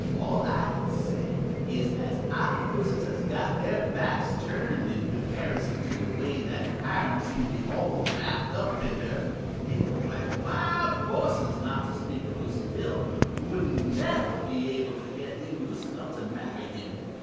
All I can say is as octopuses has got their backs turned in comparison to the way that Hiram seemed to be all wrapped up in her. It looked like wild horses, not to speak of Lucy Dill, wouldn't never be able to get him loose enough to marry him.